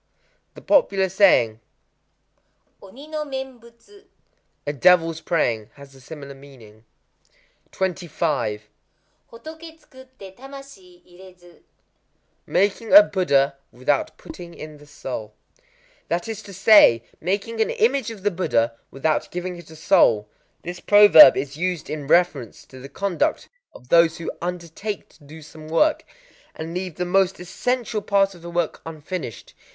The popular saying, Oni no Nembutsu,—"a devil's praying,"—has a similar meaning. 25.—Hotoké tsukutté tamashii irédzu. Making a Buddha without putting in the soul. That is to say, making an image of the Buddha without giving it a soul. This proverb is used in reference to the conduct of those who undertake to do some work, and leave the most essential part of the work unfinished.